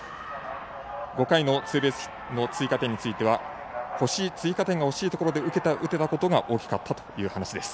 ５回のツーベースの追加点については追加点がほしいところで打てたことが大きかったということです。